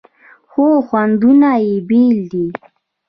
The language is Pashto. خو خوندونه یې بیل دي.